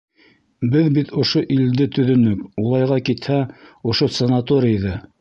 Беҙ бит ошо илде төҙөнөк, улайға китһә, ошо санаторийҙы!